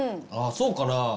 そうかな？